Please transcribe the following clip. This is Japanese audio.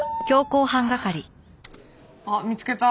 あっ見つけた。